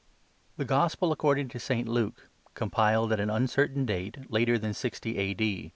THE GOSPEL ACCORDING TO ST. LUKE'. • COMPILED AT AN UNCERTAIN DATE LATER THAN 60 A.